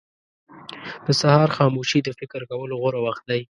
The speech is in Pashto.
• د سهار خاموشي د فکر کولو غوره وخت دی.